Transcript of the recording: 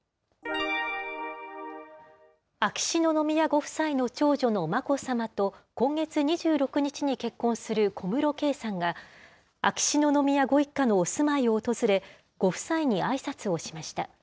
秋篠宮ご夫妻の長女の眞子さまと、今月２６日に結婚する小室圭さんが、秋篠宮ご一家のお住まいを訪れ、ご夫妻にあいさつをしました。